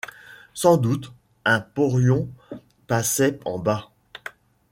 Sans doute, un porion passait en bas.